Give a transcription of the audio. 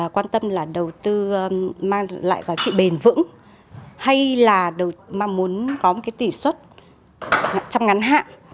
quan tâm là đầu tư mang lại giá trị bền vững hay là mong muốn có một tỷ xuất trong ngắn hạn